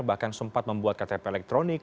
bahkan sempat membuat ktp elektronik